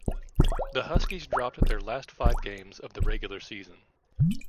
The Huskies dropped their last five games of the regular season.